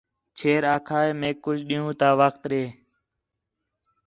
چھیر آکھا ہے میک کُج ݙِین٘ہوں تا وخت ݙے